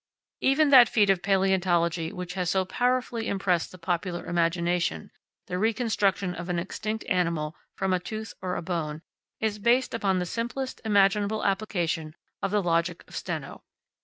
Even that feat of palaeontology which has so powerfully impressed the popular imagination, the reconstruction of an extinct animal from a tooth or a bone, is based upon the simplest imaginable application of the logic of Steno.